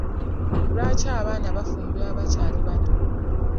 Lwaki abaana bafumbirwa bakyali bato.